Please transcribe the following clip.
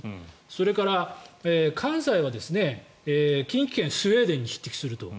それから関西は近畿圏スウェーデンに匹敵すると。